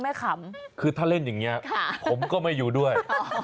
ขำคือถ้าเล่นอย่างนี้ผมก็ไม่อยู่ด้วย